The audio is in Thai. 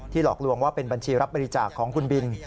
หลอกลวงว่าเป็นบัญชีรับบริจาคของคุณบิน